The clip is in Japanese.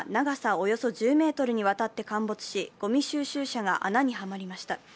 およそ１０ｍにわたって陥没しごみ収集車が穴にはまりました。